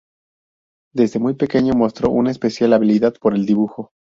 Desde muy pequeño mostró una especial habilidad por el dibujo.